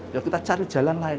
ya kita cari jalan lain